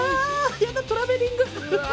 イヤだトラベリング！